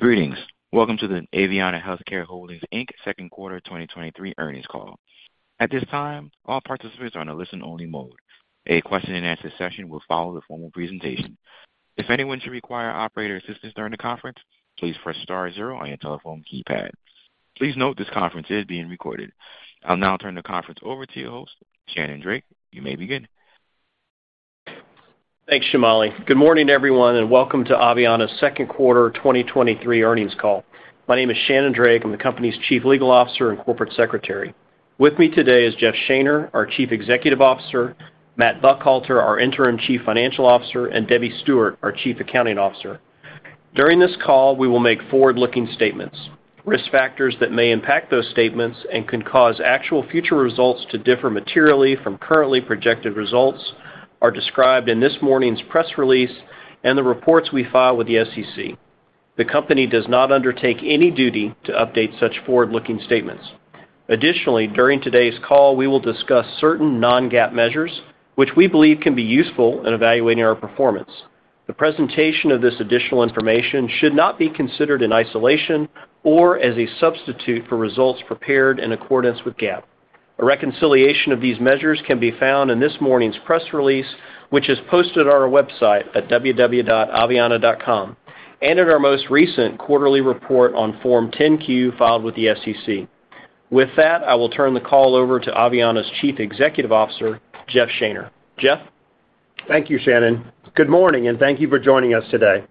Greetings! Welcome to the Aveanna Healthcare Holdings, Inc. Second Quarter 2023 Earnings Call. At this time, all participants are on a listen-only mode. A question-and-answer session will follow the formal presentation. If anyone should require operator assistance during the conference, please press star zero on your telephone keypad. Please note, this conference is being recorded. I'll now turn the conference over to your host, Shannon Drake. You may begin. Thanks, Shamali. Good morning, everyone, and welcome to Aveanna's Second Quarter 2023 Earnings Call. My name is Shannon Drake. I'm the company's Chief Legal Officer and Corporate Secretary. With me today is Jeff Shaner, our Chief Executive Officer, Matt Buckhalter, our Interim Chief Financial Officer, and Debbie Stewart, our Chief Accounting Officer. During this call, we will make forward-looking statements. Risk factors that may impact those statements and can cause actual future results to differ materially from currently projected results are described in this morning's press release and the reports we file with the SEC. The company does not undertake any duty to update such forward-looking statements. Additionally, during today's call, we will discuss certain non-GAAP measures, which we believe can be useful in evaluating our performance. The presentation of this additional information should not be considered in isolation or as a substitute for results prepared in accordance with GAAP. A reconciliation of these measures can be found in this morning's press release, which is posted on our website at www.aveanna.com, and in our most recent quarterly report on Form 10-Q, filed with the SEC. With that, I will turn the call over to Aveanna's Chief Executive Officer, Jeff Shaner. Jeff? Thank you, Shannon. Good morning, and thank you for joining us today.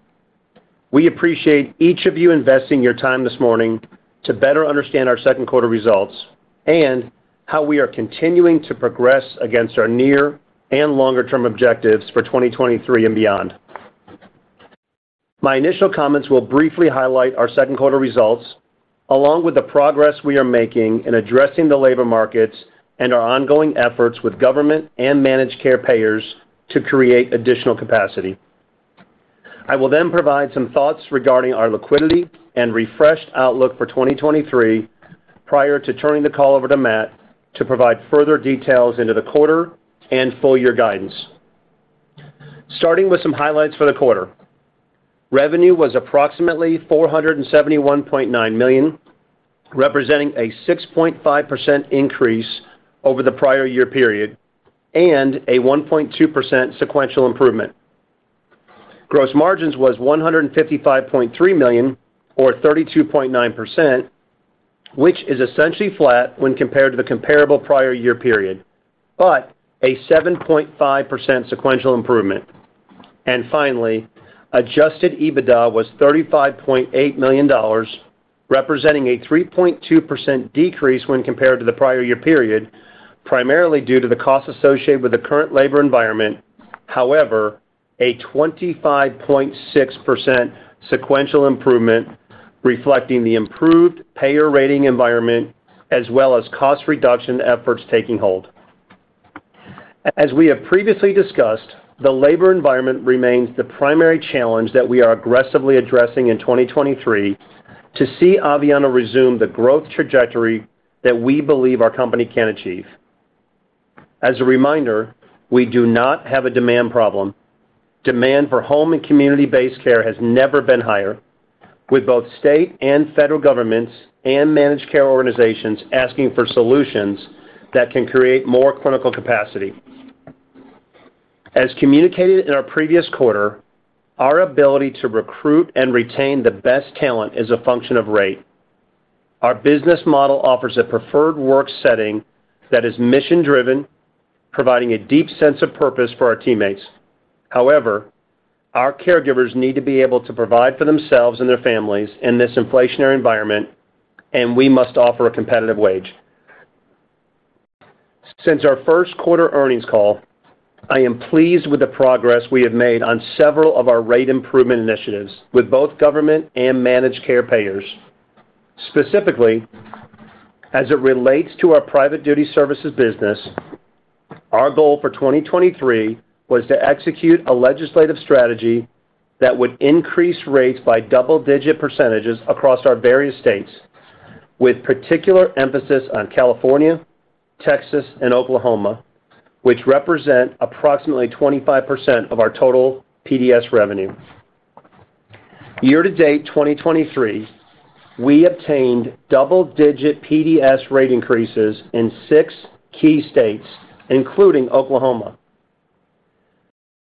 We appreciate each of you investing your time this morning to better understand our second quarter results and how we are continuing to progress against our near and longer-term objectives for 2023 and beyond. My initial comments will briefly highlight our second quarter results, along with the progress we are making in addressing the labor markets and our ongoing efforts with government and managed care payers to create additional capacity. I will then provide some thoughts regarding our liquidity and refreshed outlook for 2023, prior to turning the call over to Matt to provide further details into the quarter and full year guidance. Starting with some highlights for the quarter. Revenue was approximately $471.9 million, representing a 6.5% increase over the prior year period and a 1.2% sequential improvement. Gross margin was $155.3 million, or 32.9%, which is essentially flat when compared to the comparable prior year period, but a 7.5% sequential improvement. Finally, Adjusted EBITDA was $35.8 million, representing a 3.2% decrease when compared to the prior year period, primarily due to the costs associated with the current labor environment. However, a 25.6% sequential improvement, reflecting the improved payer rating environment as well as cost reduction efforts taking hold. As we have previously discussed, the labor environment remains the primary challenge that we are aggressively addressing in 2023 to see Aveanna resume the growth trajectory that we believe our company can achieve. As a reminder, we do not have a demand problem. Demand for home and community-based care has never been higher, with both state and federal governments and managed care organizations asking for solutions that can create more clinical capacity. As communicated in our previous quarter, our ability to recruit and retain the best talent is a function of rate. Our business model offers a preferred work setting that is mission-driven, providing a deep sense of purpose for our teammates. Our caregivers need to be able to provide for themselves and their families in this inflationary environment, and we must offer a competitive wage. Since our first quarter earnings call, I am pleased with the progress we have made on several of our rate improvement initiatives with both government and managed care payers. Specifically, as it relates to our Private Duty Services business, our goal for 2023 was to execute a legislative strategy that would increase rates by double-digit % across our various states, with particular emphasis on California, Texas, and Oklahoma, which represent approximately 25% of our total PDS revenue. Year to date, 2023, we obtained double-digit PDS rate increases in six key states, including Oklahoma.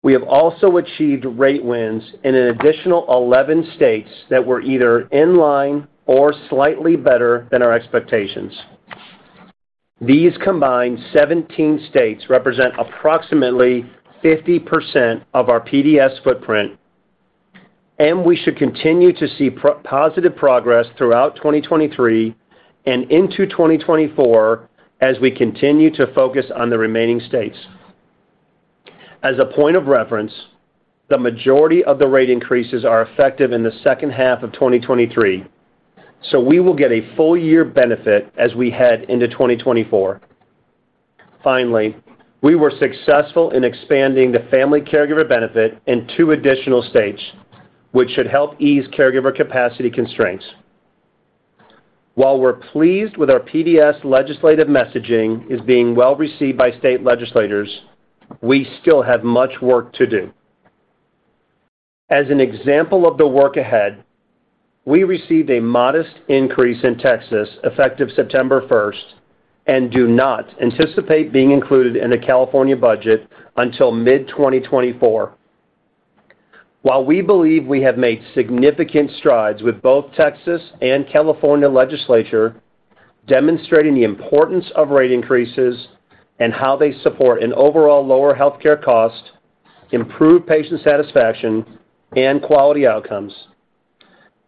We have also achieved rate wins in an additional 11 states that were either in line or slightly better than our expectations. These combined 17 states represent approximately 50% of our PDS footprint. We should continue to see positive progress throughout 2023 and into 2024 as we continue to focus on the remaining states. As a point of reference, the majority of the rate increases are effective in the second half of 2023. We will get a full year benefit as we head into 2024. Finally, we were successful in expanding the family caregiver benefit in 2 additional states, which should help ease caregiver capacity constraints. While we're pleased with our PDS legislative messaging is being well received by state legislators, we still have much work to do. As an example of the work ahead, we received a modest increase in Texas, effective September first, and do not anticipate being included in the California budget until mid-2024. While we believe we have made significant strides with both Texas and California legislature, demonstrating the importance of rate increases and how they support an overall lower healthcare cost, improve patient satisfaction, and quality outcomes,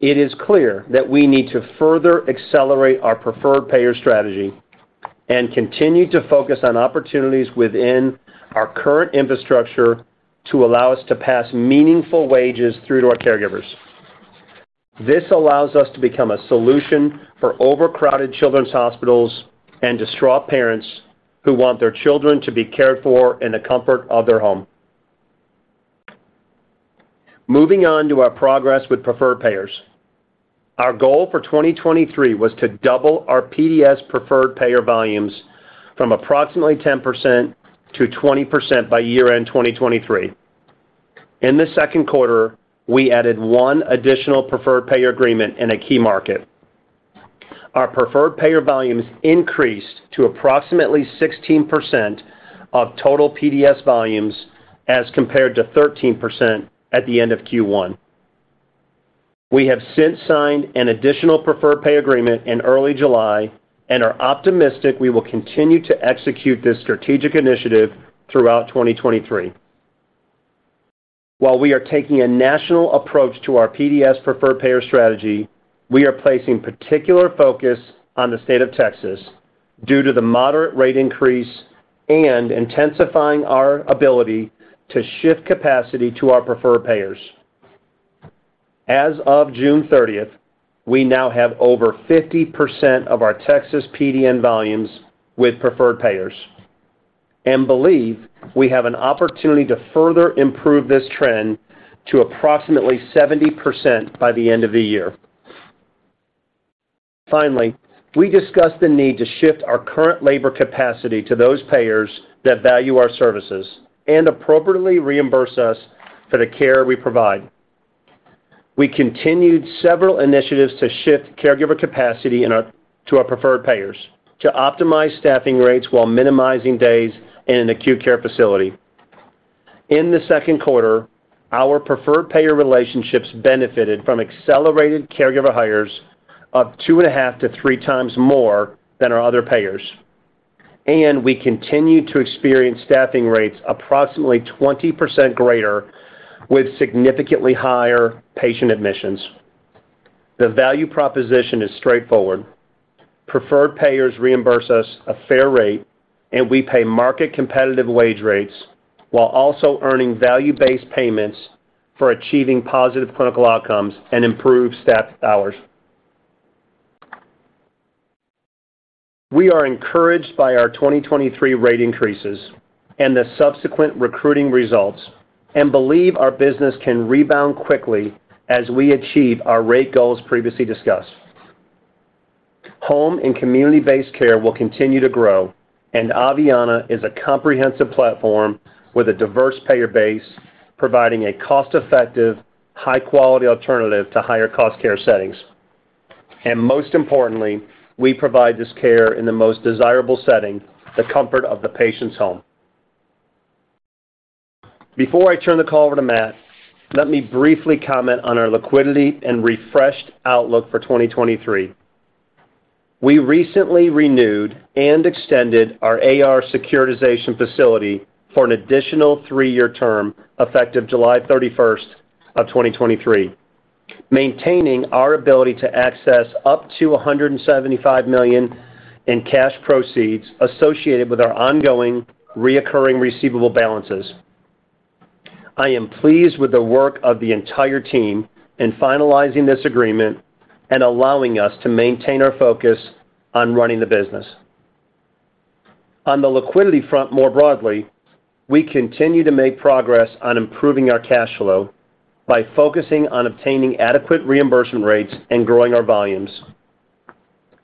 it is clear that we need to further accelerate our preferred payer strategy and continue to focus on opportunities within our current infrastructure to allow us to pass meaningful wages through to our caregivers. This allows us to become a solution for overcrowded children's hospitals and distraught parents who want their children to be cared for in the comfort of their home. Moving on to our progress with preferred payers. Our goal for 2023 was to double our PDS preferred payer volumes from approximately 10% to 20% by year-end 2023. In the second quarter, we added one additional preferred payer agreement in a key market. Our preferred payer volumes increased to approximately 16% of total PDS volumes, as compared to 13% at the end of Q1. We have since signed an additional preferred payer agreement in early July and are optimistic we will continue to execute this strategic initiative throughout 2023. While we are taking a national approach to our PDS preferred payer strategy, we are placing particular focus on the state of Texas due to the moderate rate increase and intensifying our ability to shift capacity to our preferred payers. As of June 30th, we now have over 50% of our Texas PDN volumes with preferred payers and believe we have an opportunity to further improve this trend to approximately 70% by the end of the year. Finally, we discussed the need to shift our current labor capacity to those payers that value our services and appropriately reimburse us for the care we provide. We continued several initiatives to shift caregiver capacity to our preferred payers to optimize staffing rates while minimizing days in an acute care facility. In the second quarter, our preferred payer relationships benefited from accelerated caregiver hires of 2.5-3 times more than our other payers, and we continue to experience staffing rates approximately 20% greater, with significantly higher patient admissions. The value proposition is straightforward. Preferred payers reimburse us a fair rate. We pay market-competitive wage rates while also earning value-based payments for achieving positive clinical outcomes and improved staff hours. We are encouraged by our 2023 rate increases and the subsequent recruiting results and believe our business can rebound quickly as we achieve our rate goals previously discussed. Home and community-based care will continue to grow. Aveanna is a comprehensive platform with a diverse payer base, providing a cost-effective, high-quality alternative to higher cost care settings. Most importantly, we provide this care in the most desirable setting, the comfort of the patient's home. Before I turn the call over to Matt, let me briefly comment on our liquidity and refreshed outlook for 2023. We recently renewed and extended our AR securitization facility for an additional 3-year term, effective July 31st, 2023, maintaining our ability to access up to $175 million in cash proceeds associated with our ongoing recurring receivable balances. I am pleased with the work of the entire team in finalizing this agreement and allowing us to maintain our focus on running the business. On the liquidity front, more broadly, we continue to make progress on improving our cash flow by focusing on obtaining adequate reimbursement rates and growing our volumes.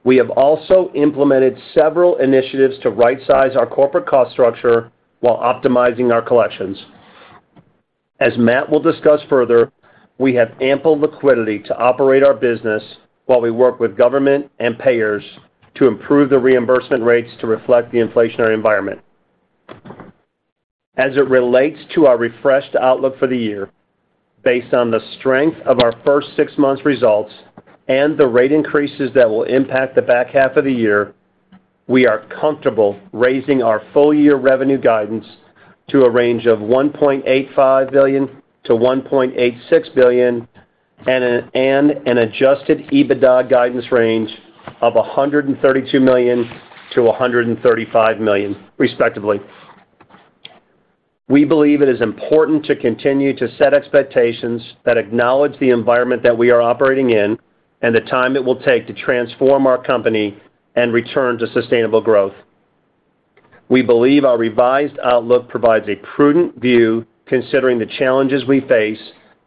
We have also implemented several initiatives to rightsize our corporate cost structure while optimizing our collections. As Matt will discuss further, we have ample liquidity to operate our business while we work with government and payers to improve the reimbursement rates to reflect the inflationary environment. As it relates to our refreshed outlook for the year, based on the strength of our first six months results and the rate increases that will impact the back half of the year, we are comfortable raising our full-year revenue guidance to a range of $1.85 billion-$1.86 billion and an Adjusted EBITDA guidance range of $132 million-$135 million, respectively. We believe it is important to continue to set expectations that acknowledge the environment that we are operating in and the time it will take to transform our company and return to sustainable growth. We believe our revised outlook provides a prudent view, considering the challenges we face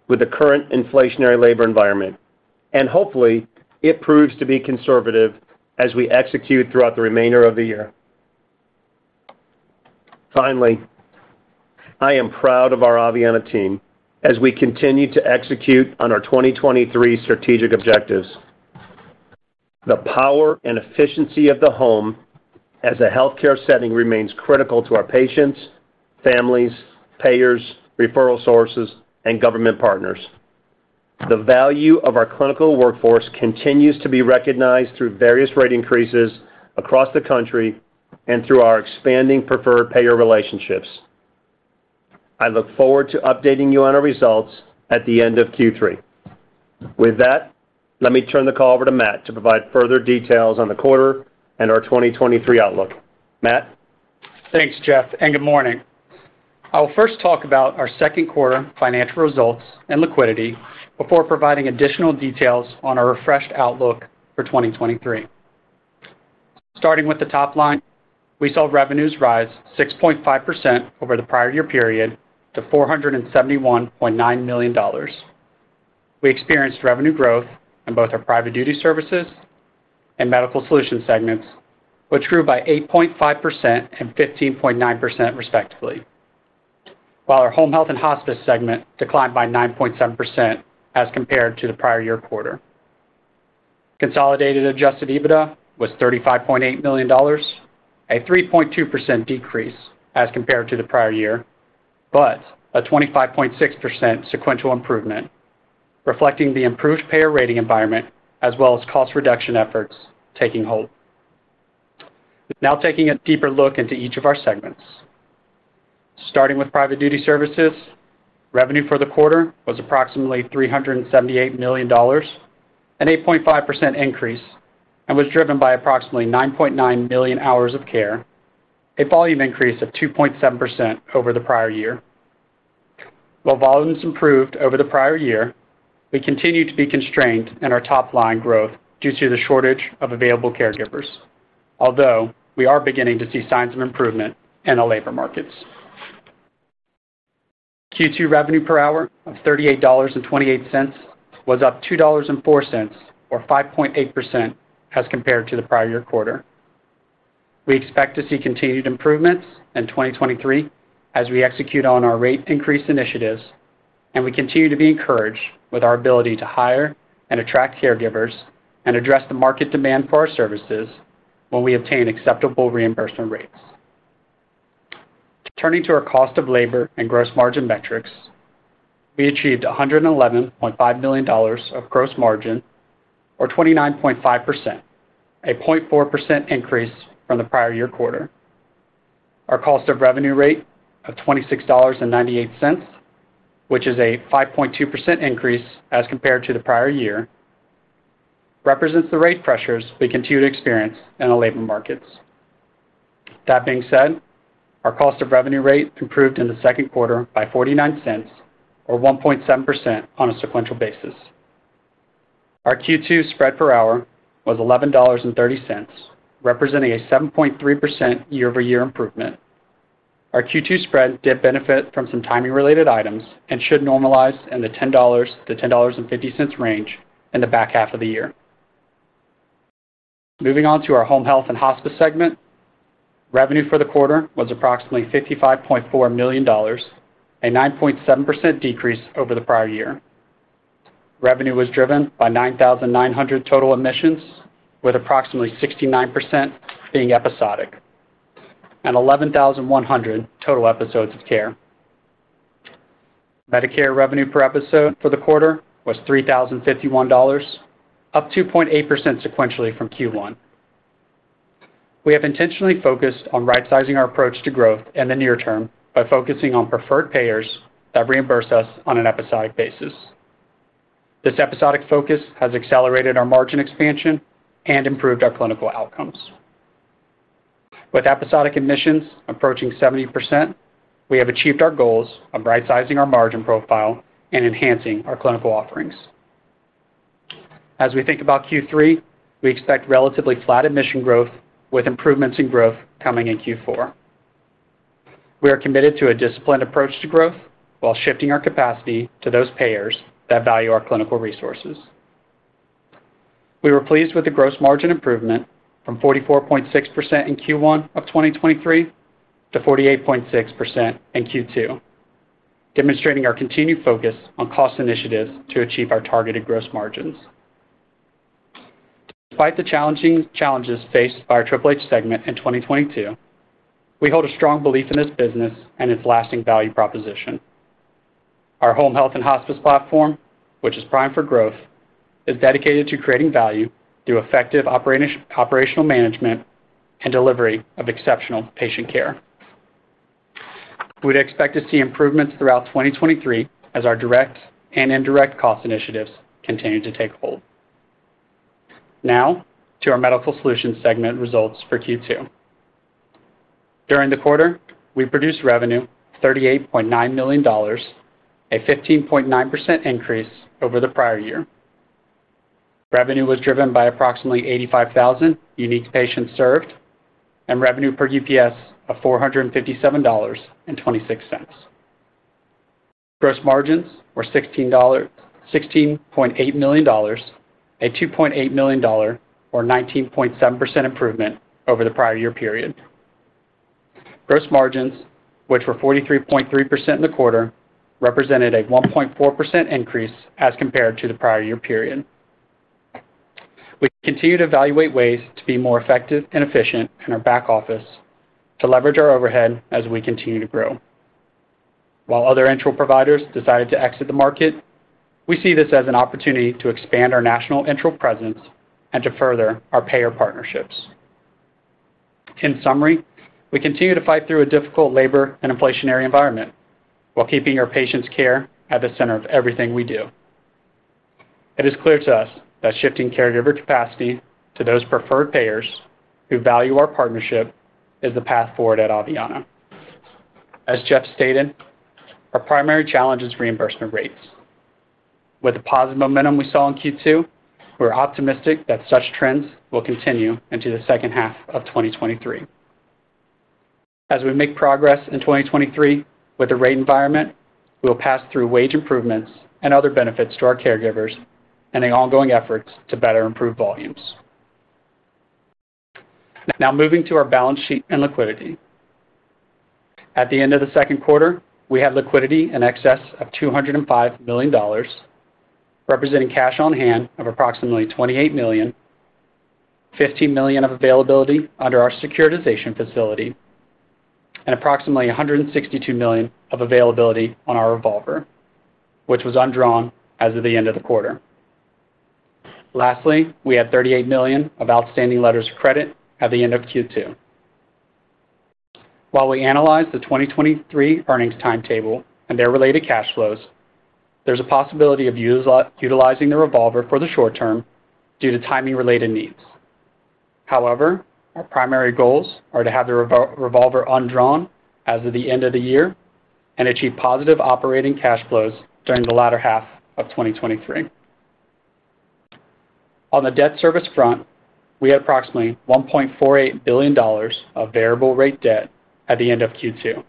with the current inflationary labor environment, and hopefully, it proves to be conservative as we execute throughout the remainder of the year. Finally, I am proud of our Aveanna team as we continue to execute on our 2023 strategic objectives. The power and efficiency of the home as a healthcare setting remains critical to our patients, families, payers, referral sources, and government partners. The value of our clinical workforce continues to be recognized through various rate increases across the country and through our expanding preferred payer relationships. I look forward to updating you on our results at the end of Q3. Let me turn the call over to Matt to provide further details on the quarter and our 2023 outlook. Matt? Thanks, Jeff. Good morning. I'll first talk about our second quarter financial results and liquidity before providing additional details on our refreshed outlook for 2023. Starting with the top line, we saw revenues rise 6.5% over the prior year period to $471.9 million. We experienced revenue growth in both our Private Duty Services and Medical Solutions segments, which grew by 8.5% and 15.9%, respectively. Our Home Health & Hospice segment declined by 9.7% as compared to the prior year quarter. Consolidated Adjusted EBITDA was $35.8 million, a 3.2% decrease as compared to the prior year, but a 25.6% sequential improvement, reflecting the improved payer rating environment as well as cost reduction efforts taking hold. Now, taking a deeper look into each of our segments. Starting with Private Duty Services, revenue for the quarter was approximately $378 million, an 8.5% increase, and was driven by approximately 9.9 million hours of care, a volume increase of 2.7% over the prior year. While volumes improved over the prior year, we continue to be constrained in our top-line growth due to the shortage of available caregivers, although we are beginning to see signs of improvement in the labor markets. Q2 revenue per hour of $38.28 was up $2.04, or 5.8%, as compared to the prior year quarter. We expect to see continued improvements in 2023 as we execute on our rate increase initiatives, and we continue to be encouraged with our ability to hire and attract caregivers and address the market demand for our services when we obtain acceptable reimbursement rates. Turning to our cost of labor and gross margin metrics, we achieved $111.5 million of gross margin, or 29.5%, a 0.4% increase from the prior year quarter. Our cost of revenue rate of $26.98, which is a 5.2% increase as compared to the prior year, represents the rate pressures we continue to experience in the labor markets. That being said, our cost of revenue rate improved in the second quarter by $0.49, or 1.7% on a sequential basis. Our Q2 spread per hour was $11.30, representing a 7.3% year-over-year improvement. Our Q2 spread did benefit from some timing-related items and should normalize in the $10-$10.50 range in the back half of the year. Moving on to our Home Health & Hospice segment. Revenue for the quarter was approximately $55.4 million, a 9.7% decrease over the prior year. Revenue was driven by 9,900 total admissions, with approximately 69% being episodic, and 11,100 total episodes of care. Medicare revenue per episode for the quarter was $3,051, up 2.8% sequentially from Q1. We have intentionally focused on right-sizing our approach to growth in the near term by focusing on preferred payers that reimburse us on an episodic basis. This episodic focus has accelerated our margin expansion and improved our clinical outcomes. With episodic admissions approaching 70%, we have achieved our goals of right-sizing our margin profile and enhancing our clinical offerings. We think about Q3, we expect relatively flat admission growth, with improvements in growth coming in Q4. We are committed to a disciplined approach to growth while shifting our capacity to those payers that value our clinical resources. We were pleased with the gross margin improvement from 44.6% in Q1 of 2023 to 48.6% in Q2, demonstrating our continued focus on cost initiatives to achieve our targeted gross margins. Despite the challenging challenges faced by our Triple H segment in 2022, we hold a strong belief in this business and its lasting value proposition. Our Home Health & Hospice platform, which is primed for growth, is dedicated to creating value through effective operational management and delivery of exceptional patient care. We'd expect to see improvements throughout 2023 as our direct and indirect cost initiatives continue to take hold. To our Medical Solutions segment results for Q2. During the quarter, we produced revenue of $38.9 million, a 15.9% increase over the prior year. Revenue was driven by approximately 85,000 unique patients served and revenue per UPS of $457.26. Gross margins were $16.8 million, a $2.8 million or 19.7% improvement over the prior year period. Gross margins, which were 43.3% in the quarter, represented a 1.4% increase as compared to the prior year period. We continue to evaluate ways to be more effective and efficient in our back office to leverage our overhead as we continue to grow. While other interim providers decided to exit the market, we see this as an opportunity to expand our national interim presence and to further our payer partnerships. In summary, we continue to fight through a difficult labor and inflationary environment while keeping our patients' care at the center of everything we do. It is clear to us that shifting caregiver capacity to those preferred payers who value our partnership is the path forward at Aveanna. As Jeff stated, our primary challenge is reimbursement rates. With the positive momentum we saw in Q2, we're optimistic that such trends will continue into the second half of 2023. We make progress in 2023 with the rate environment, we will pass through wage improvements and other benefits to our caregivers and the ongoing efforts to better improve volumes. Moving to our balance sheet and liquidity. At the end of the second quarter, we had liquidity in excess of $205 million, representing cash on hand of approximately $28 million, $50 million of availability under our securitization facility, and approximately $162 million of availability on our revolver, which was undrawn as of the end of the quarter. We had $38 million of outstanding letters of credit at the end of Q2. While we analyze the 2023 earnings timetable and their related cash flows, there's a possibility of us utilizing the revolver for the short term due to timing related needs. Our primary goals are to have the revolver undrawn as of the end of the year and achieve positive operating cash flows during the latter half of 2023. On the debt service front, we had approximately $1.48 billion of variable rate debt at the end of Q2.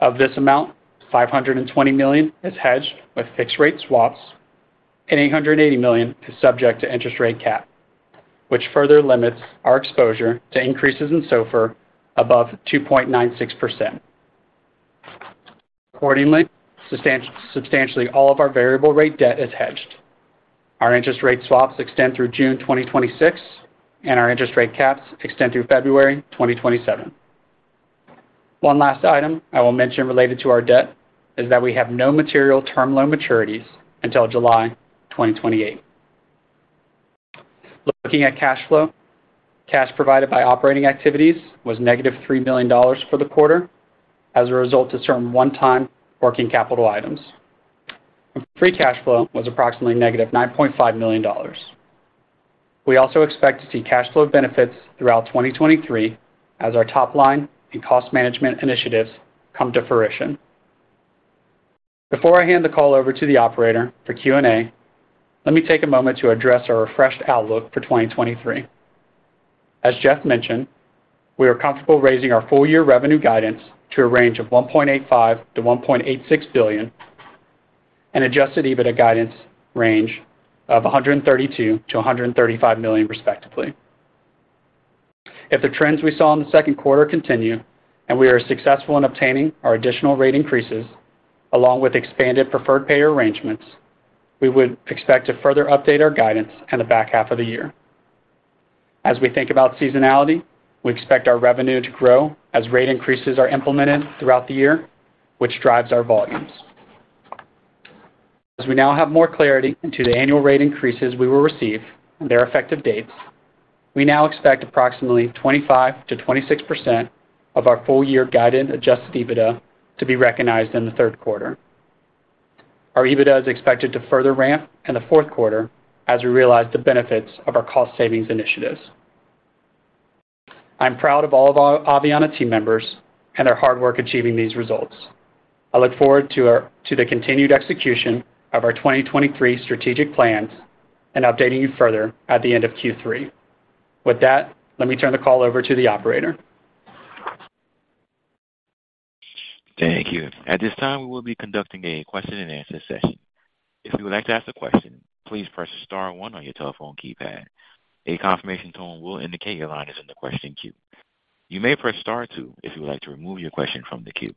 Of this amount, $520 million is hedged with fixed rate swaps, and $880 million is subject to interest rate cap, which further limits our exposure to increases in SOFR above 2.96%. Substantially all of our variable rate debt is hedged. Our interest rate swaps extend through June 2026, and our interest rate caps extend through February 2027. One last item I will mention related to our debt is that we have no material term loan maturities until July 2028. Looking at cash flow, cash provided by operating activities was negative $3 million for the quarter as a result of certain one-time working capital items. Free cash flow was approximately negative $9.5 million. We also expect to see cash flow benefits throughout 2023 as our top line and cost management initiatives come to fruition. Before I hand the call over to the operator for Q&A, let me take a moment to address our refreshed outlook for 2023. As Jeff mentioned, we are comfortable raising our full year revenue guidance to a range of $1.85 billion-$1.86 billion and Adjusted EBITDA guidance range of $132 million-$135 million, respectively. If the trends we saw in the second quarter continue, and we are successful in obtaining our additional rate increases, along with expanded preferred payer arrangements, we would expect to further update our guidance in the back half of the year. As we think about seasonality, we expect our revenue to grow as rate increases are implemented throughout the year, which drives our volumes. As we now have more clarity into the annual rate increases we will receive and their effective dates, we now expect approximately 25%-26% of our full year guided Adjusted EBITDA to be recognized in the third quarter. Our EBITDA is expected to further ramp in the fourth quarter as we realize the benefits of our cost savings initiatives. I'm proud of all of our Aveanna team members and their hard work achieving these results. I look forward to the continued execution of our 2023 strategic plans and updating you further at the end of Q3. With that, let me turn the call over to the operator. Thank you. At this time, we will be conducting a question-and-answer session. If you would like to ask a question, please press star one on your telephone keypad. A confirmation tone will indicate your line is in the question queue. You may press star two if you would like to remove your question from the queue.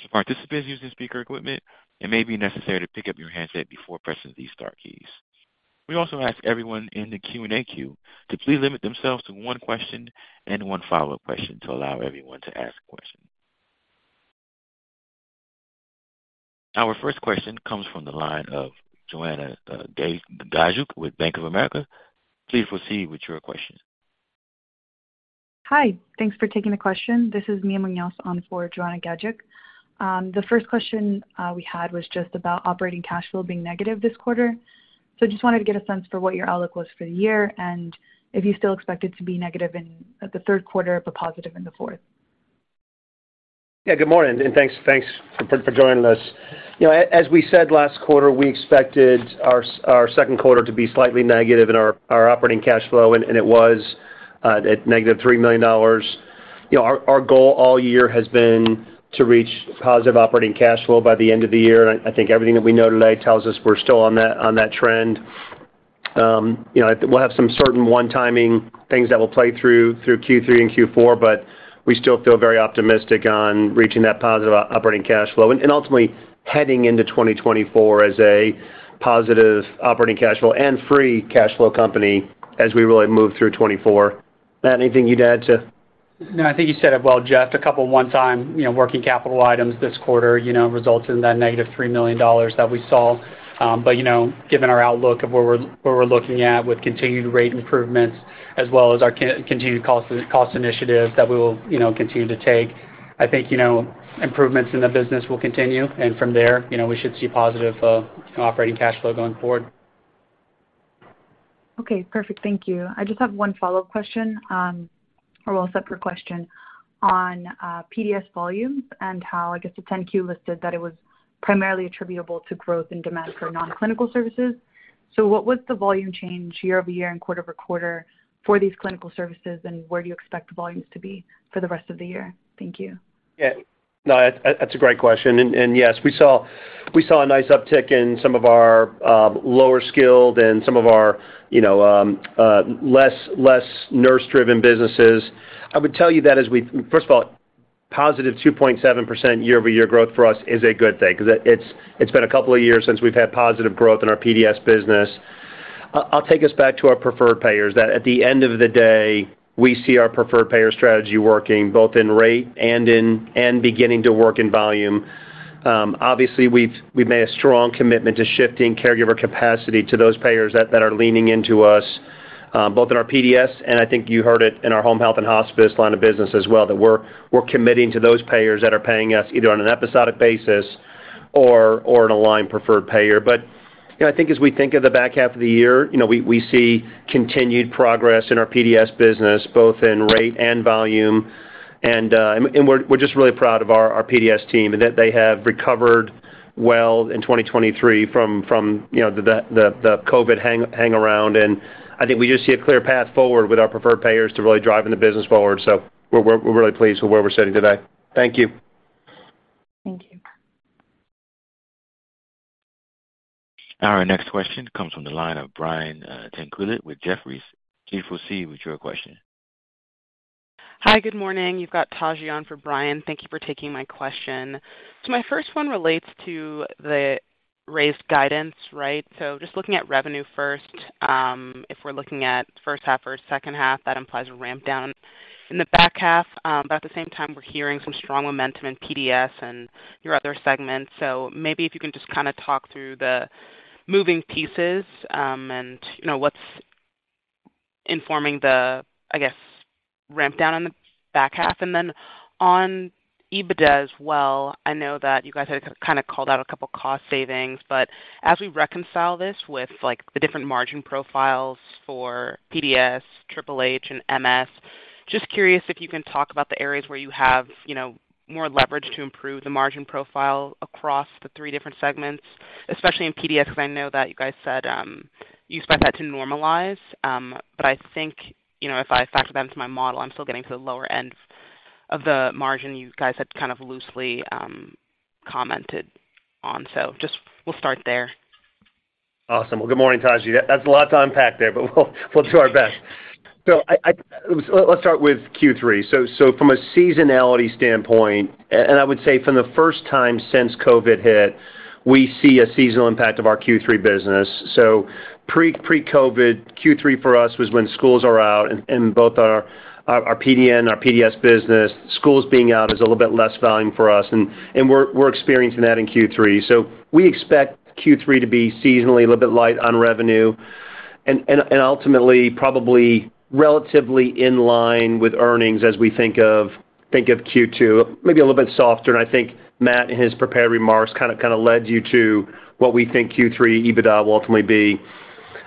To participants using speaker equipment, it may be necessary to pick up your handset before pressing these star keys. We also ask everyone in the Q&A queue to please limit themselves to one question and one follow-up question to allow everyone to ask a question. Our first question comes from the line of Joanna Gajek with Bank of America. Please proceed with your question. Hi, thanks for taking the question. This is Mia Muñoz on for Joanna Gajek. The first question we had was just about operating cash flow being negative this quarter. Just wanted to get a sense for what your outlook was for the year, and if you still expect it to be negative in the third quarter, but positive in the fourth? Yeah, good morning, and thanks, thanks for joining us. You know, as we said last quarter, we expected our second quarter to be slightly negative in our operating cash flow, and it was at negative $3 million. You know, our goal all year has been to reach positive operating cash flow by the end of the year, and I think everything that we know today tells us we're still on that trend. You know, we'll have some certain one-timing things that will play through Q3 and Q4, but we still feel very optimistic on reaching that positive operating cash flow, and ultimately, heading into 2024 as a positive operating cash flow and free cash flow company as we really move through 2024. Matt, anything you'd add to? No, I think you said it well, Jeff. A couple one-time, you know, working capital items this quarter, you know, results in that negative $3 million that we saw. But, you know, given our outlook of where we're looking at with continued rate improvements as well as our continued cost initiatives that we will, you know, continue to take, I think, you know, improvements in the business will continue, and from there, you know, we should see positive operating cash flow going forward. Okay, perfect. Thank you. I just have one follow-up question, or well, separate question on PDS volumes and how, I guess, the 10-Q listed, that it was primarily attributable to growth in demand for non-clinical services. What was the volume change year-over-year and quarter-over-quarter for these clinical services, and where do you expect the volumes to be for the rest of the year? Thank you. Yeah. No, that's, that's a great question, and yes, we saw a nice uptick in some of our lower skilled and some of our, you know, less, less nurse-driven businesses. I would tell you that first of all, positive 2.7% year-over-year growth for us is a good thing, cause it's been a couple of years since we've had positive growth in our PDS business. I'll take us back to our preferred payers, that at the end of the day, we see our preferred payer strategy working both in rate and beginning to work in volume. Obviously, we've, we've made a strong commitment to shifting caregiver capacity to those payers that, that are leaning into us, both in our PDS, and I think you heard it in our Home Health and Hospice line of business as well, that we're, we're committing to those payers that are paying us either on an episodic basis or, or an aligned preferred payer. You know, I think as we think of the back half of the year, you know, we, we see continued progress in our PDS business, both in rate and volume. And, we're, we're just really proud of our, our PDS team, and that they have recovered well in 2023 from, from, you know, the COVID hang, hang around. I think we just see a clear path forward with our preferred payers to really driving the business forward. We're, we're, we're really pleased with where we're sitting today. Thank you. Thank you. Our next question comes from the line of Brian Tanquilut with Jefferies. Please proceed with your question. Hi, good morning. You've got Taji on for Brian. Thank you for taking my question. My first one relates to the raised guidance, right? Just looking at revenue first, if we're looking at first half or second half, that implies a ramp down in the back half. At the same time, we're hearing some strong momentum in PDS and your other segments. Maybe if you can just kinda talk through the moving pieces, and, you know, what's informing the, I guess, ramp down on the back half? Then on EBITDA as well, I know that you guys have kinda called out a couple cost savings, as we reconcile this with, like, the different margin profiles for PDS, Triple H, and MS, just curious if you can talk about the areas where you have, you know, more leverage to improve the margin profile across the three different segments, especially in PDS, because I know that you guys said, you expect that to normalize. I think, you know, if I factor that into my model, I'm still getting to the lower end of the margin you guys had kind of loosely, commented on. Just we'll start there. Awesome. Well, good morning, Taji. That's a lot to unpack there, we'll, we'll do our best. I, let's start with Q3. From a seasonality standpoint, I would say from the first time since COVID hit, we see a seasonal impact of our Q3 business. Pre, pre-COVID, Q3 for us was when schools are out, and both our, our PDN, our PDS business, schools being out is a little bit less volume for us, and we're, we're experiencing that in Q3. We expect Q3 to be seasonally a little bit light on revenue and ultimately probably relatively in line with earnings as we think of, think of Q2, maybe a little bit softer. I think Matt, in his prepared remarks, kinda led you to what we think Q3 EBITDA will ultimately be.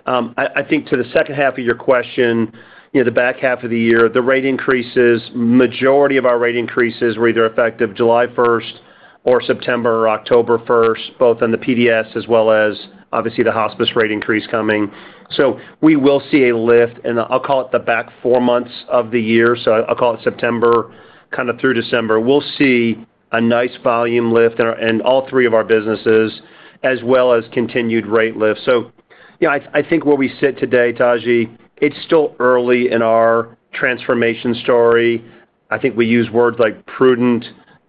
I, I think to the second half of your question, you know, the back half of the year, the rate increases, majority of our rate increases were either effective July 1st or September or October 1st, both on the PDS as well as obviously the hospice rate increase coming. So we will see a lift, and I'll call it the back 4 months of the year. So I'll call it September, kind of through December. We'll see a nice volume lift in our- in all 3 of our businesses, as well as continued rate lifts. So yeah, I, I think where we sit today, Taji, it's still early in our transformation story. I think we use words like prudent,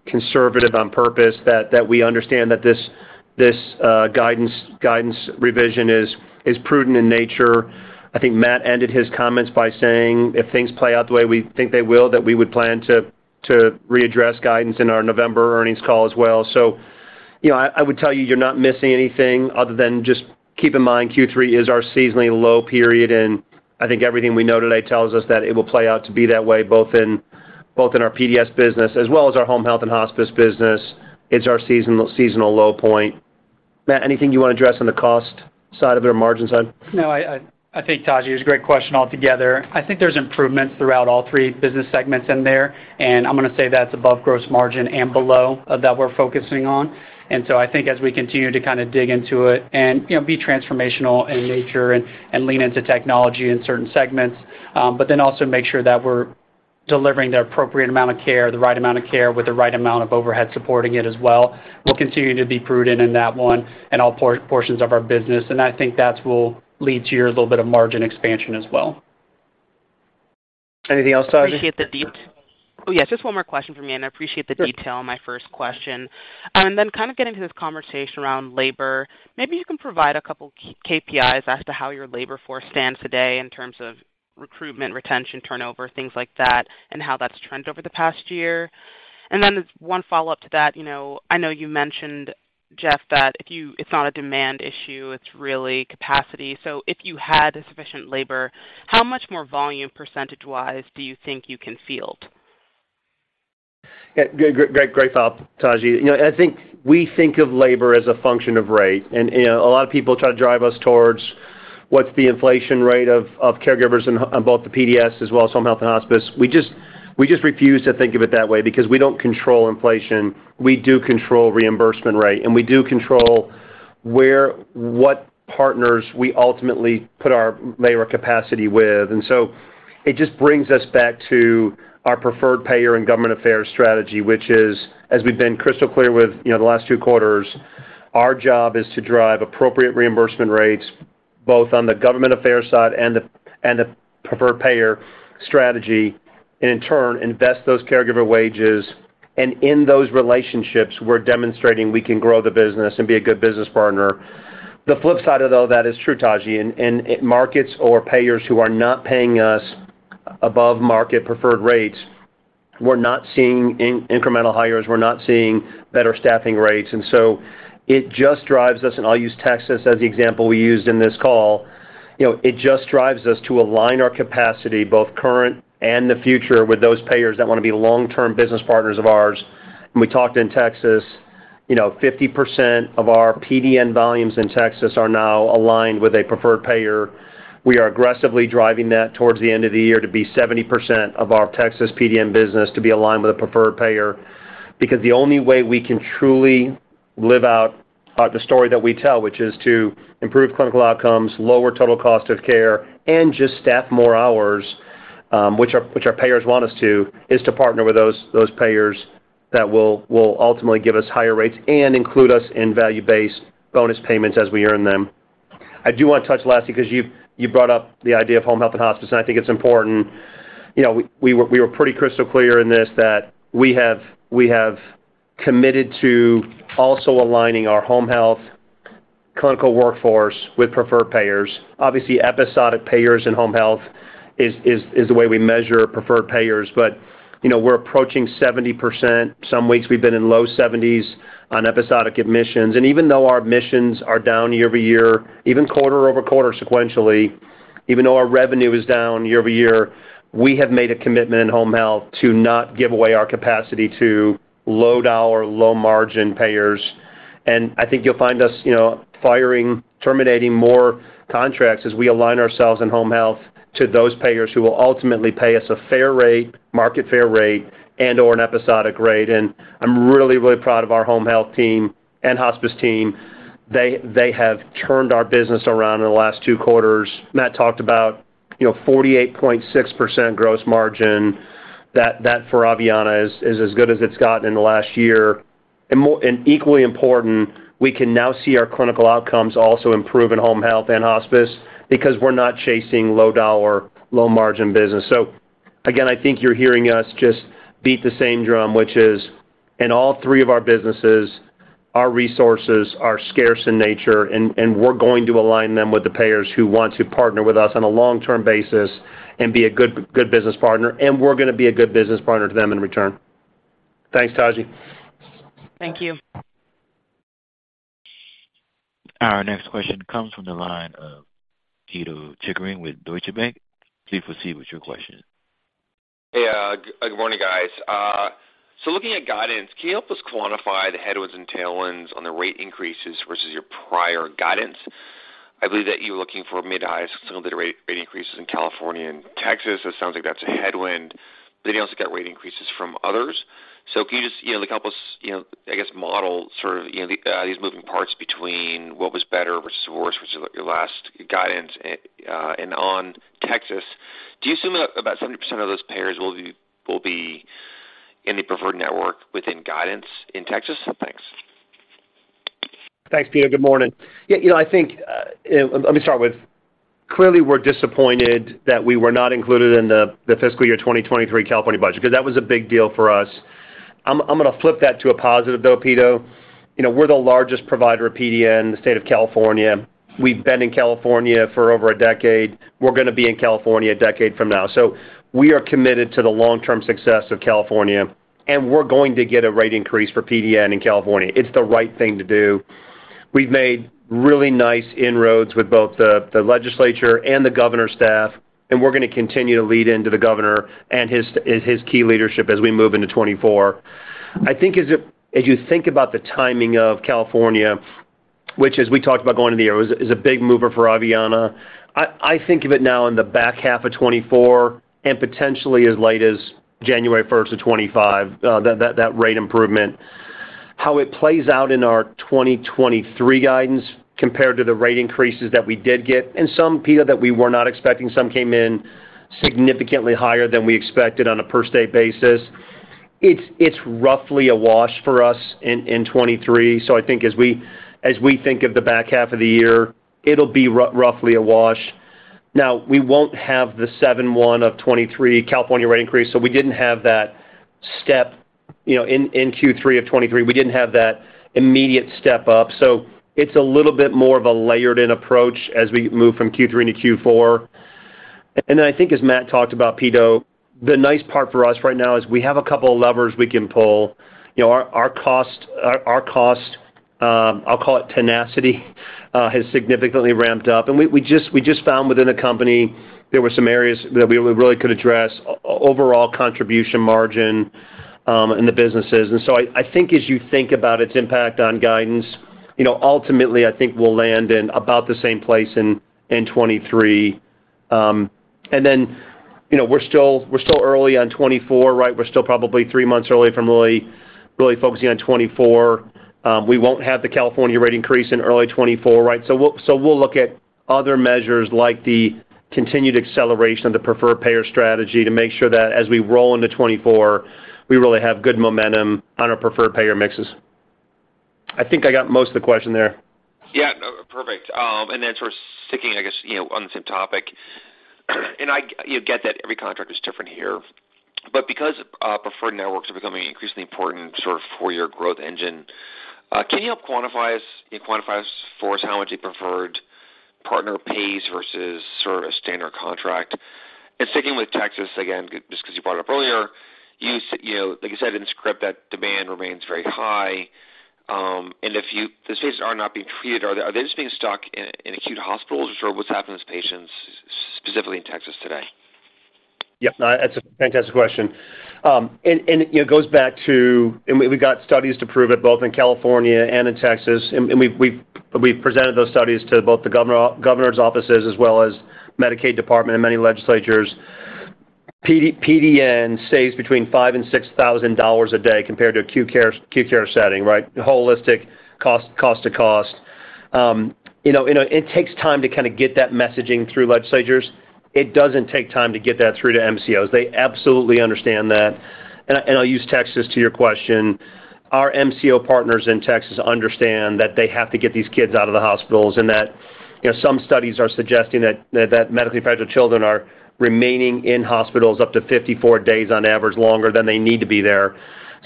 conservative on purpose, that, that we understand that this, this guidance, guidance revision is, is prudent in nature. I think Matt ended his comments by saying, if things play out the way we think they will, that we would plan to, to readdress guidance in our November earnings call as well. you know, I, I would tell you, you're not missing anything other than just keep in mind, Q3 is our seasonally low period, and I think everything we know today tells us that it will play out to be that way, both in, both in our PDS business as well as our Home Health & Hospice business. It's our seasonal, seasonal low point. Matt, anything you want to address on the cost side of it or margin side? No, I, I, I think, Taji, it's a great question altogether. I think there's improvements throughout all three business segments in there, and I'm gonna say that's above gross margin and below that we're focusing on. So I think as we continue to kind of dig into it and, you know, be transformational in nature and, and lean into technology in certain segments, but then also make sure that we're delivering the appropriate amount of care, the right amount of care, with the right amount of overhead supporting it as well. We'll continue to be prudent in that one and all portions of our business, and I think that will lead to your little bit of margin expansion as well. Anything else, Taji? I appreciate the de- Oh, yes, just one more question for me, and I appreciate the detail- Sure. -on my first question. Then kind of getting to this conversation around labor, maybe you can provide a couple key KPIs as to how your labor force stands today in terms of recruitment, retention, turnover, things like that, and how that's trend over the past year. Then 1 follow-up to that, you know, I know you mentioned, Jeff, that it's not a demand issue, it's really capacity. If you had a sufficient labor, how much more volume, percentage-wise, do you think you can field? Yeah, good, great, great follow-up, Taji. You know, I think we think of labor as a function of rate, and, and a lot of people try to drive us towards what's the inflation rate of, of caregivers in, on both the PDS as well as Home Health & Hospice. We just, we just refuse to think of it that way because we don't control inflation. We do control reimbursement rate, and we do control where, what partners we ultimately put our labor capacity with. It just brings us back to our preferred payer and government affairs strategy, which is, as we've been crystal clear with, you know, the last two quarters, our job is to drive appropriate reimbursement rates, both on the government affairs side and the, and the preferred payer strategy, and in turn, invest those caregiver wages. In those relationships, we're demonstrating we can grow the business and be a good business partner. The flip side of, though, that is true, Taji, in markets or payers who are not paying us above market preferred rates, we're not seeing incremental hires, we're not seeing better staffing rates. So it just drives us, and I'll use Texas as the example we used in this call. You know, it just drives us to align our capacity, both current and the future, with those payers that want to be long-term business partners of ours. We talked in Texas, you know, 50% of our PDN volumes in Texas are now aligned with a preferred payer. We are aggressively driving that towards the end of the year to be 70% of our Texas PDN business to be aligned with a preferred payer. Because the only way we can truly live out the story that we tell, which is to improve clinical outcomes, lower total cost of care, and just staff more hours, which our, which our payers want us to, is to partner with those, those payers that will, will ultimately give us higher rates and include us in value-based bonus payments as we earn them. I do want to touch last because you, you brought up the idea of Home Health & Hospice, and I think it's important. You know, we, we were, we were pretty crystal clear in this, that we have, we have committed to also aligning our home health clinical workforce with preferred payers. Obviously, episodic payers in home health is, is, is the way we measure preferred payers, but, you know, we're approaching 70%. Some weeks we've been in low 70s on episodic admissions. Even though our admissions are down year-over-year, even quarter-over-quarter sequentially, even though our revenue is down year-over-year, we have made a commitment in home health to not give away our capacity to low-dollar, low-margin payers. I think you'll find us, you know, firing, terminating more contracts as we align ourselves in home health to those payers who will ultimately pay us a fair rate, market fair rate, and/or an episodic rate. I'm really, really proud of our home health team and hospice team. They, they have turned our business around in the last 2 quarters. Matt talked about, you know, 48.6% gross margin. That, that for Aveanna is, is as good as it's gotten in the last year. Equally important, we can now see our clinical outcomes also improve in Home Health & Hospice because we're not chasing low-dollar, low-margin business. Again, I think you're hearing us just beat the same drum, which is, in all three of our businesses, our resources are scarce in nature, and we're going to align them with the payers who want to partner with us on a long-term basis and be a good, good business partner, and we're gonna be a good business partner to them in return. Thanks, Taji. Thank you. Our next question comes from the line of Pito Chickering with Deutsche Bank. Please proceed with your question. Hey, good morning, guys. Looking at guidance, can you help us quantify the headwinds and tailwinds on the rate increases versus your prior guidance? I believe that you're looking for mid-high, single-digit rate, rate increases in California and Texas. It sounds like that's a headwind, but you also get rate increases from others. Can you just, you know, help us, you know, I guess, model sort of, you know, these moving parts between what was better versus worse versus your last guidance? On Texas, do you assume that about 70% of those payers will be in the preferred network within guidance in Texas? Thanks. Thanks, Peter. Good morning. Yeah, you know, I think, let me start with, clearly, we're disappointed that we were not included in the fiscal year 2023 California budget, because that was a big deal for us. I'm, I'm gonna flip that to a positive, though, Peter. You know, we're the largest provider of PDN in the state of California. We've been in California for over a decade. We're gonna be in California a decade from now. We are committed to the long-term success of California, and we're going to get a rate increase for PDN in California. It's the right thing to do. We've made really nice inroads with both the legislature and the governor's staff, and we're gonna continue to lead into the governor and his, and his key leadership as we move into 2024. I think as you, as you think about the timing of California, which as we talked about going into the year, was, is a big mover for Aveanna. I, I think of it now in the back half of 2024, and potentially as late as January 1st of 2025, that, that, that rate improvement. How it plays out in our 2023 guidance compared to the rate increases that we did get, and some, Peter, that we were not expecting, some came in significantly higher than we expected on a per stay basis. It's, it's roughly a wash for us in, in 2023. I think as we, as we think of the back half of the year, it'll be roughly a wash. We won't have the 7/1 of 2023 California rate increase, so we didn't have that step, you know, in Q3 of 2023, we didn't have that immediate step up. It's a little bit more of a layered-in approach as we move from Q3 into Q4. Then I think as Matt talked about, Peter, the nice part for us right now is we have a couple of levers we can pull. You know, our, our cost, our, our cost tenacity has significantly ramped up. We, we just, we just found within the company there were some areas that we, we really could address overall contribution margin in the businesses. I, I think as you think about its impact on guidance, you know, ultimately, I think we'll land in about the same place in 2023. Then, you know, we're still, we're still early on 2024, right? We're still probably 3 months early from really, really focusing on 2024. We won't have the California rate increase in early 2024, right? We'll, so we'll look at other measures like the continued acceleration of the preferred payer strategy to make sure that as we roll into 2024, we really have good momentum on our preferred payer mixes. I think I got most of the question there. Yeah, perfect. Sort of sticking, I guess, you know, on the same topic, and I, you get that every contract is different here, but because preferred networks are becoming increasingly important sort of for your growth engine, can you help quantify us, you quantify us for us how much a preferred partner pays versus sort of a standard contract? Sticking with Texas again, just 'cause you brought up earlier, you know, like you said in script, that demand remains very high, and if the patients are not being treated, are they, are they just being stuck in, in acute hospitals, or what's happening with patients specifically in Texas today? Yeah, no, that's a fantastic question. You know, it goes back to. We've got studies to prove it, both in California and in Texas, and we've presented those studies to both the governor, governor's offices as well as Medicaid department and many legislatures. PDN saves between $5,000-$6,000 a day compared to acute care, acute care setting, right? Holistic cost, cost to cost. You know, you know, it takes time to kinda get that messaging through legislators. It doesn't take time to get that through to MCOs. They absolutely understand that. I'll use Texas to your question. Our MCO partners in Texas understand that they have to get these kids out of the hospitals, and that, you know, some studies are suggesting that medically fragile children are remaining in hospitals up to 54 days on average, longer than they need to be there.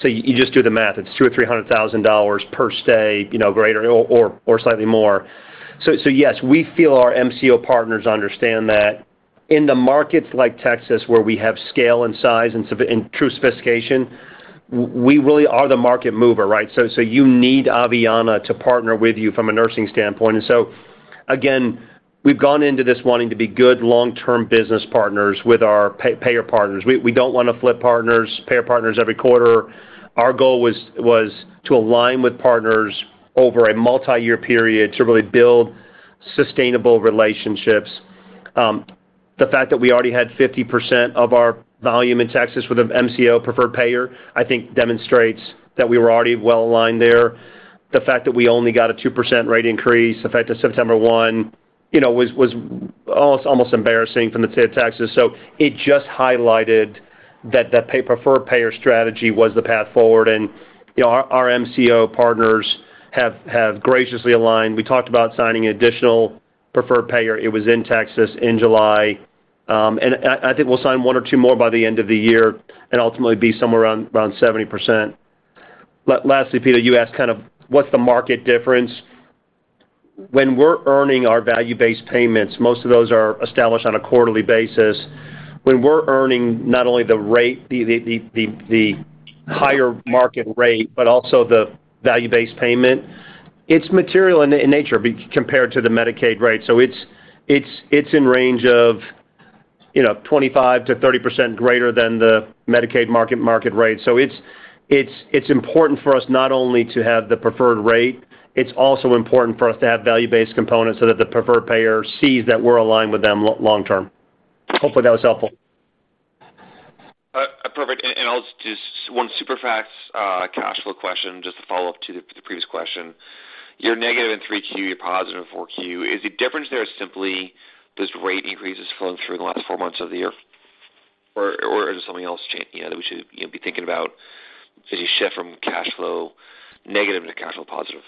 You, you just do the math. It's $200,000-$300,000 per stay, you know, greater or slightly more. Yes, we feel our MCO partners understand that. In the markets like Texas, where we have scale and size and true sophistication, we really are the market mover, right? You need Aveanna to partner with you from a nursing standpoint. Again, we've gone into this wanting to be good long-term business partners with our payer partners. We don't wanna flip partners, payer partners every quarter. Our goal was to align with partners over a multi-year period to really build sustainable relationships. The fact that we already had 50% of our volume in Texas with an MCO preferred payer, I think demonstrates that we were already well aligned there. The fact that we only got a 2% rate increase, the fact that September 1, you know, was almost embarrassing from the state of Texas. It just highlighted that the preferred payer strategy was the path forward, and, you know, our MCO partners have graciously aligned. We talked about signing an additional preferred payer. It was in Texas in July. And I think we'll sign one or two more by the end of the year and ultimately be somewhere around 70%. Lastly, Peter, you asked kind of what's the market difference? When we're earning our value-based payments, most of those are established on a quarterly basis. When we're earning not only the rate, the higher market rate, but also the value-based payment, it's material in nature compared to the Medicaid rate. it's in range of, you know, 25%-30% greater than the Medicaid market rate. it's important for us not only to have the preferred rate, it's also important for us to have value-based components so that the preferred payer sees that we're aligned with them long term. Hopefully, that was helpful. Perfect. I'll just one super fact, cash flow question, just to follow up to the previous question. You're negative in 3Q, you're positive in 4Q. Is the difference there simply this rate increases flowing through the last four months of the year, or, or is it something else you know, that we should, you know, be thinking about as you shift from cash flow negative to cash flow positive?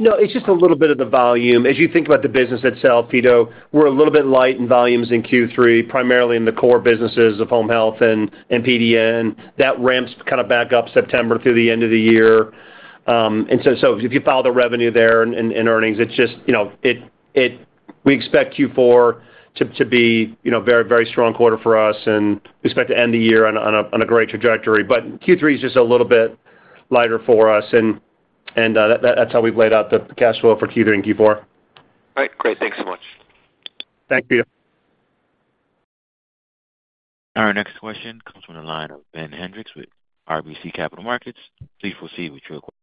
No, it's just a little bit of the volume. As you think about the business itself, Pito, we're a little bit light in volumes in Q3, primarily in the core businesses of Home Health and, and PDN. That ramps kinda back up September through the end of the year. So, so if you follow the revenue there and, and earnings, it's just, you know, it, it we expect Q4 to, to be, you know, very, very strong quarter for us, and we expect to end the year on a, on a, on a great trajectory. But Q3 is just a little bit lighter for us, and, and, that, that, that's how we've laid out the cash flow for Q3 and Q4. All right, great. Thanks so much. Thank you. Our next question comes from the line of Ben Hendrix with RBC Capital Markets. Please proceed with your question.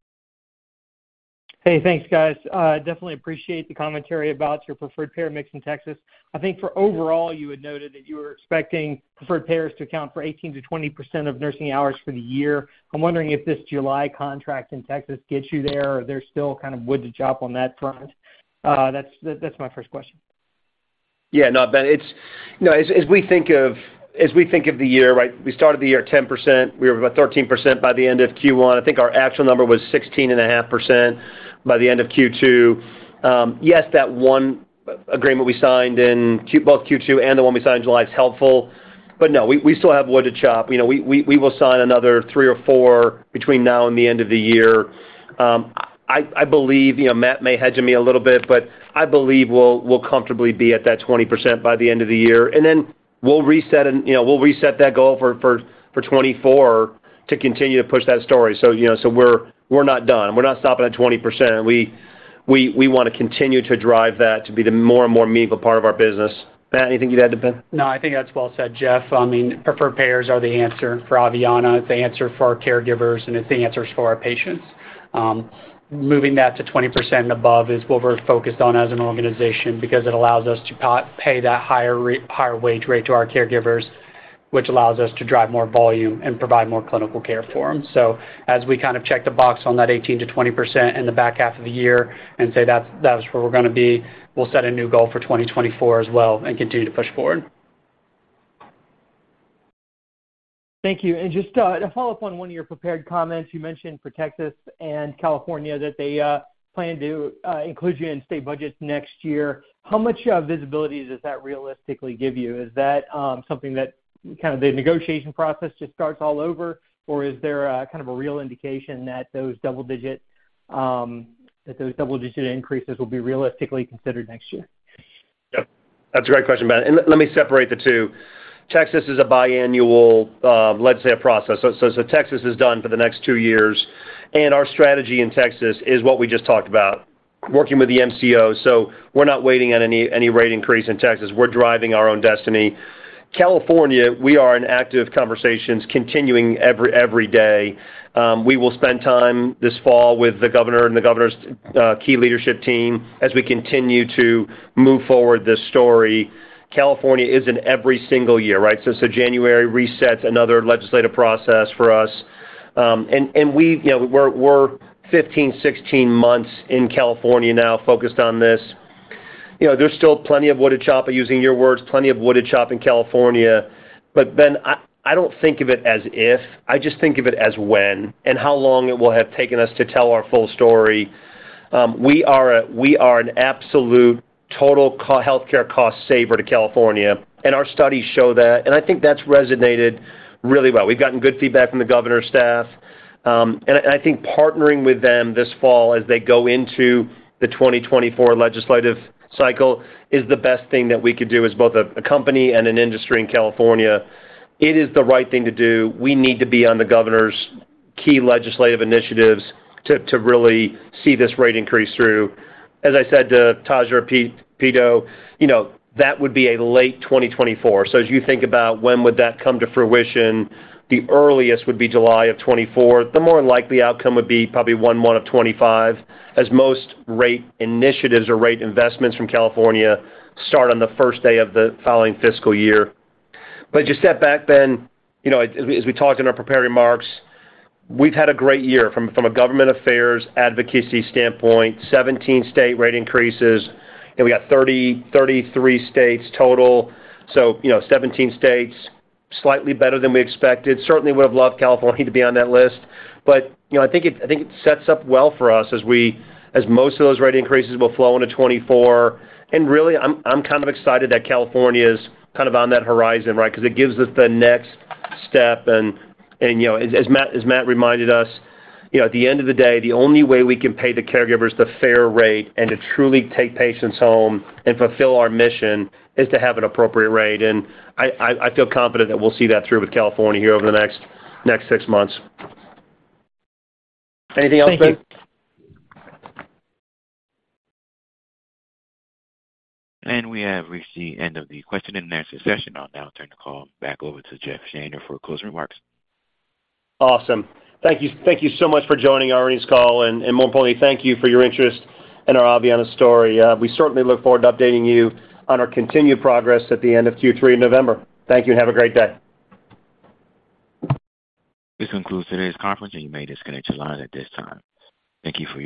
Hey, thanks, guys. Definitely appreciate the commentary about your preferred payer mix in Texas. I think for overall, you had noted that you were expecting preferred payers to account for 18%-20% of nursing hours for the year. I'm wondering if this July contract in Texas gets you there, or there's still kind of wood to chop on that front? That's, that's my first question. Yeah, no, Ben, it's, you know, as, as we think of, as we think of the year, right? We started the year at 10%. We were about 13% by the end of Q1. I think our actual number was 16.5% by the end of Q2. Yes, that one agreement we signed in Q, both Q2 and the one we signed in July is helpful, but no, we, we still have wood to chop. You know, we, we, we will sign another 3 or 4 between now and the end of the year. I, I believe, you know, Matt may hedge at me a little bit, but I believe we'll, we'll comfortably be at that 20% by the end of the year. Then we'll reset and, you know, we'll reset that goal for 2024 to continue to push that story. You know, so we're, we're not done. We're not stopping at 20%. We wanna continue to drive that to be the more and more meaningful part of our business. Matt, anything you'd add to Ben? No, I think that's well said, Jeff. I mean, preferred payers are the answer for Aveanna. It's the answer for our caregivers, and it's the answers for our patients. Moving that to 20% above is what we're focused on as an organization because it allows us to pay that higher wage rate to our caregivers, which allows us to drive more volume and provide more clinical care for them. As we kind of check the box on that 18%-20% in the back half of the year and say, "That's, that's where we're gonna be," we'll set a new goal for 2024 as well and continue to push forward. Thank you. Just to follow up on 1 of your prepared comments, you mentioned for Texas and California that they plan to include you in state budgets next year. How much visibility does that realistically give you? Is that something that kind of the negotiation process just starts all over, or is there a kind of a real indication that those double-digit, that those double-digit increases will be realistically considered next year? Yep, that's a great question, Ben, and let me separate the 2. Texas is a biannual, let's say, a process. Texas is done for the next 2 years, and our strategy in Texas is what we just talked about, working with the MCO. We're not waiting on any, any rate increase in Texas. We're driving our own destiny. California, we are in active conversations continuing every, every day. We will spend time this fall with the governor and the governor's key leadership team as we continue to move forward this story. California is in every single year, right? January resets another legislative process for us. And, and we, you know, we're, we're 15, 16 months in California now, focused on this. You know, there's still plenty of wood to chop, using your words, plenty of wood to chop in California. Ben, I, I don't think of it as if, I just think of it as when and how long it will have taken us to tell our full story. We are an absolute total healthcare cost saver to California, and our studies show that, and I think that's resonated really well. We've gotten good feedback from the governor's staff, and I, I think partnering with them this fall as they go into the 2024 legislative cycle is the best thing that we could do as both a company and an industry in California. It is the right thing to do. We need to be on the governor's key legislative initiatives to really see this rate increase through. As I said to Taja, Peto, you know, that would be a late 2024. As you think about when would that come to fruition, the earliest would be July of 2024. The more likely outcome would be probably 1/1/2025, as most rate initiatives or rate investments from California start on the first day of the following fiscal year. Just step back, Ben. You know, as we, as we talked in our prepared remarks, we've had a great year from, from a government affairs advocacy standpoint. 17 state rate increases, and we got 33 states total. You know, 17 states, slightly better than we expected. Certainly, would have loved California to be on that list, but, you know, I think it, I think it sets up well for us as most of those rate increases will flow into 2024. Really, I'm kind of excited that California is kind of on that horizon, right? Because it gives us the next step, and, and, you know, as Matt, as Matt reminded us, you know, at the end of the day, the only way we can pay the caregivers the fair rate and to truly take patients home and fulfill our mission is to have an appropriate rate. I, I, I feel confident that we'll see that through with California here over the next, next six months. Anything else, Ben? Thank you. We have reached the end of the question and answer session. I'll now turn the call back over to Jeff Shaner for closing remarks. Awesome. Thank you, thank you so much for joining our earnings call, and, and more importantly, thank you for your interest in our Aveanna story. We certainly look forward to updating you on our continued progress at the end of Q3 in November. Thank you, and have a great day. This concludes today's conference, and you may disconnect your line at this time. Thank you for your participation.